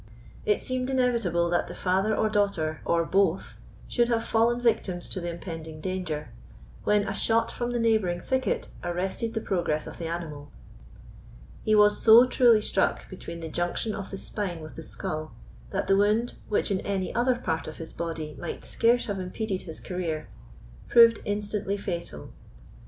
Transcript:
It seemed inevitable that the father or daughter, or both, should have fallen victims to the impending danger, when a shot from the neighbouring thicket arrested the progress of the animal. He was so truly struck between the junction of the spine with the skull, that the wound, which in any other part of his body might scarce have impeded his career, proved instantly fatal.